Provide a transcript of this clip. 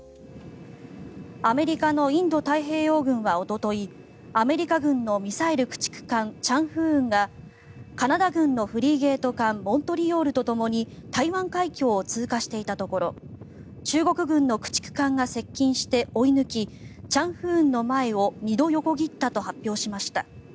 アメリカのインド太平洋軍はおとといアメリカ軍のミサイル駆逐艦「チャンフーン」がカナダ軍のフリゲート艦「モントリオール」とともに台湾海峡を通過していたところ中国軍の駆逐艦が接近して追い抜き「チャンフーン」の前を２度横切ったと発表しました。